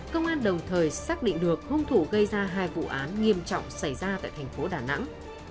công an đồng thời xác định được hung thủ gây ra hai vụ án nghiêm trọng xảy ra tại thành phố đà nẵng